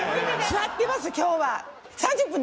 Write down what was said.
座ってます今日は。